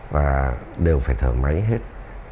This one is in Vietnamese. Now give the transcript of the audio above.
và đều phải thở máy hết